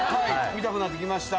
見たくなってきました。